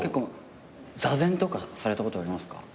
座禅とかされたことありますか？